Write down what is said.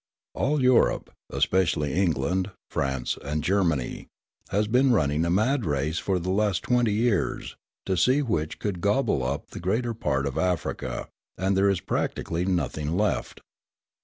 All Europe especially England, France, and Germany has been running a mad race for the last twenty years, to see which could gobble up the greater part of Africa; and there is practically nothing left.